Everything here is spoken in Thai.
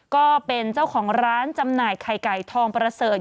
ก็เป็นเจ้าของร้านจำหน่ายไข่ไก่ทองประเสริฐ